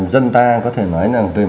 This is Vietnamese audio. dân ta có thể nói là